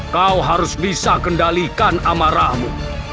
kau adalah sangat baik kepada kami